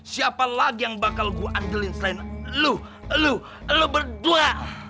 siapa lagi yang bakal gue anjelin selain lu lu lu berdua